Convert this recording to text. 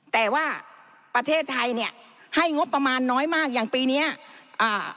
แต่ว่าประเทศไทยเนี้ยให้งบประมาณน้อยมากอย่างปีเนี้ยอ่า